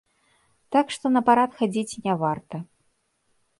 Так што на парад хадзіць не варта.